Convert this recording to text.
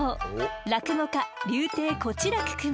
落語家柳亭小痴楽くん。